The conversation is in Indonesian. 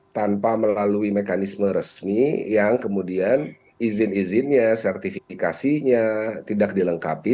tanpa melalui mekanisme resmi yang kemudian izin izinnya sertifikasinya tidak dilengkapi